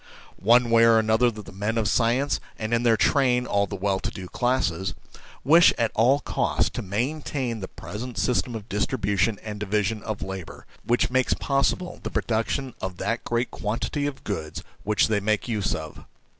One way or another the men of science, and in their train all the well to do classes, wish at all cost to maintain the present system of distribution and division of labour, which makes possible the production of that great quantity of goods which they make use of.